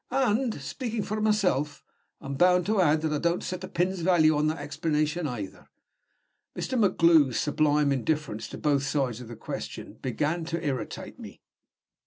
And, speaking for myself, I'm bound to add that I don't set a pin's value on that explanation either." Mr. MacGlue's sublime indifference to both sides of the question began to irritate me.